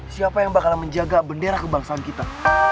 siapa yang bakalan menjaga bendera kebangsaan kita